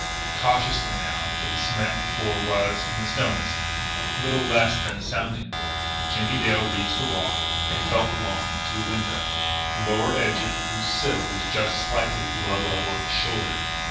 Cautiously now, for the cement flooring was, in the stillness, little less than a sounding board, Jimmie Dale reached the wall and felt along it to the window, the lower edge of whose sill was just slightly below the level of his shoulder.